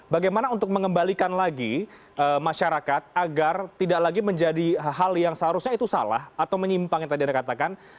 bagaimana untuk mengembalikan lagi masyarakat agar tidak lagi menjadi hal yang seharusnya itu salah atau menyimpang yang tadi anda katakan